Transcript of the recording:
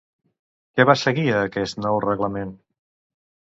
Què va seguir a aquest nou reglament?